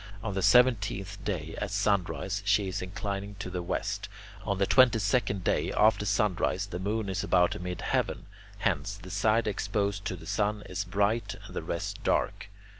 On the seventeenth day, at sunrise, she is inclining to the west. On the twenty second day, after sunrise, the moon is about mid heaven; hence, the side exposed to the sun is bright and the rest dark.